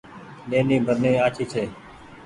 نيني برني آڇي ڇي۔